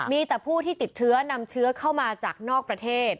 มีแต่ผู้ที่ติดเชื้อนำเชื้อเข้ามาจากนอกประเทศ